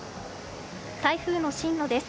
台風の進路です。